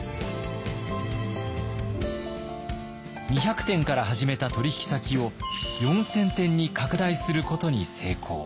２００店から始めた取引先を４，０００店に拡大することに成功。